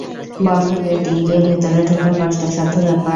বন্ধ গেট ডিঙিয়ে ভেতরে ঢোকা কষ্টসাধ্য ব্যাপার।